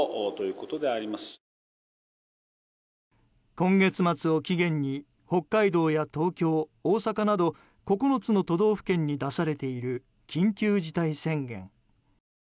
今月末を期限に北海道や東京、大阪など９つの都道府県に出されている緊急事態宣言。